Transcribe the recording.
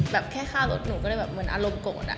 แบบแค่ฆ่ารถหนูก็เลยแบบเหมือนอารมณ์โกรธอะ